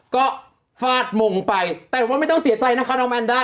ก็ฟาดมงไปแต่ว่าไม่ต้องเสียใจนะคะน้องแอนด้า